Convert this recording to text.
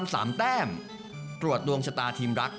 สวัสดีครับ